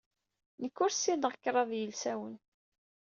Nekk ur ssineɣ kraḍ yilsawen.